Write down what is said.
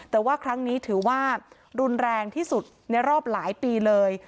แต่ว่าครั้งนี้ถือว่ารุนแรงที่สุดในรอบหลายปีเลย